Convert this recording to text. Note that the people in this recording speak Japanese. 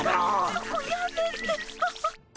そこやめて。